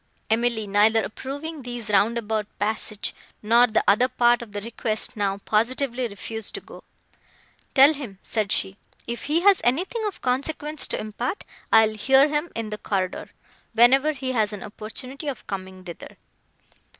Emily, neither approving these "roundabout passage," nor the other part of the request, now positively refused to go. "Tell him," said she, "if he has anything of consequence to impart, I will hear him in the corridor, whenever he has an opportunity of coming thither."